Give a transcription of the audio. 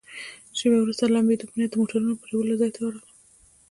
شیبه وروسته د لمبېدو په نیت د موټرونو د پرېولو ځای ته ورغلم.